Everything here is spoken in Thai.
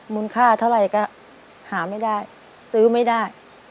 มูลค่าเท่าไหร่ก็หาไม่ได้ซื้อไม่ได้